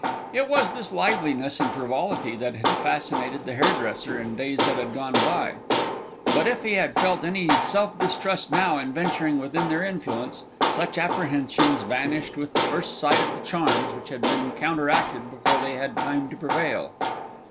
It was this liveliness and frivolity that had fascinated the hairdresser in days that had gone by; but if he had felt any self distrust now in venturing within their influence, such apprehensions vanished with the first sight of the charms which had been counteracted before they had time to prevail.